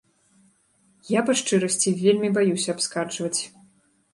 Я, па шчырасці, вельмі баюся абскарджваць.